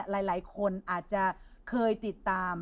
หลายคนอาจจะเคยติดตาม